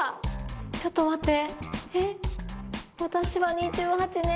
ちょっと待ってえっ。